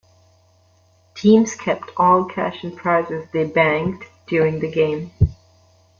Teams kept all cash and prizes they banked during the game.